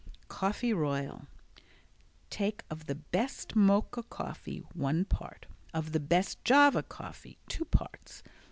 Coffee Royal Take of the best Mocha coffee one part, of the best Java coffee two parts.